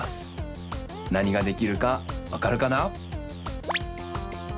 なにができるかわかるかな？